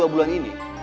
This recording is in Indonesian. dalam dua bulan ini